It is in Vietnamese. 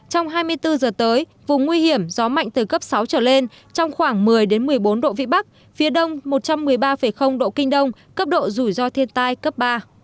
trong hai mươi bốn giờ tới vùng nguy hiểm gió mạnh từ cấp sáu trở lên trong khoảng một mươi một mươi bốn độ vĩ bắc phía đông một trăm một mươi ba độ kinh đông cấp độ rủi ro thiên tai cấp ba